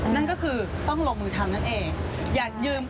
นั่นก็คือต้องลงมือทำนั่นเอง